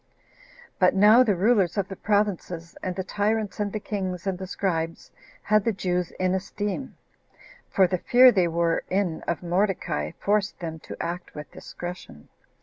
But now the rulers of the provinces, and the tyrants, and the kings, and the scribes, had the Jews in esteem; for the fear they were in of Mordecai forced them to act with discretion.